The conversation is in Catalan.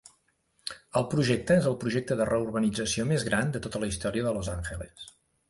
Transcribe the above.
El projecte és el projecte de reurbanització més gran de tota la història de Los Angeles.